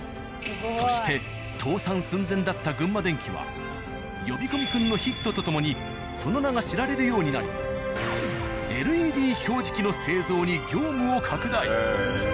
そして呼び込み君のヒットとともにその名が知られるようになりＬＥＤ表示器の製造に業務を拡大。